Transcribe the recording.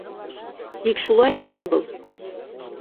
Тик шулаймы һуң был?